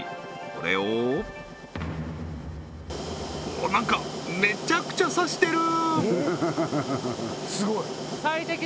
これをなんかめちゃくちゃ刺してる！